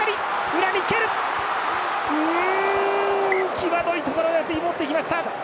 際どいところ、持っていきました。